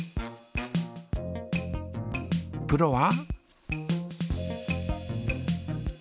プロは？